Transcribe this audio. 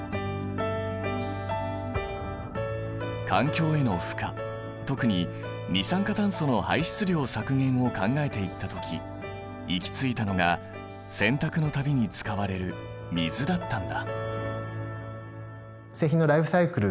環境への負荷特に二酸化炭素の排出量削減を考えていった時行き着いたのが洗濯の度に使われる水だったんだ。